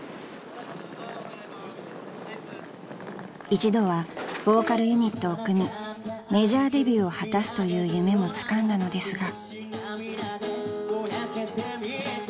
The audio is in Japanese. ［一度はボーカルユニットを組みメジャーデビューを果たすという夢もつかんだのですが］